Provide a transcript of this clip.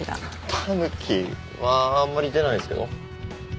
タヌキはあんまり出ないっすけど